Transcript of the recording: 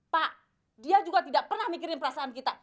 pak dia juga tidak pernah mikirin perasaan kita